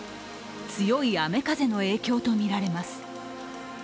強い雨風の影響とみられます。